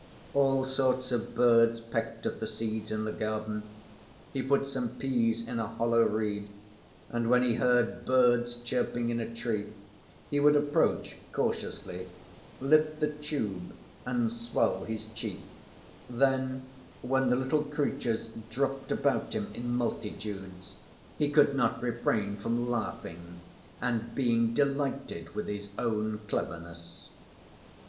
All sorts of birds pecked at the seeds in the garden. He put some peas in a hollow reed, and when he heard birds chirping in a tree, he would approach cautiously, lift the tube and swell his cheeks; then, when the little creatures dropped about him in multitudes, he could not refrain from laughing and being delighted with his own cleverness.